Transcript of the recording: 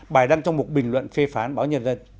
bài đăng trong một bình luận phê phán báo nhân dân